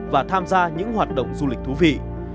và tham gia những hoạt động du lịch thú vị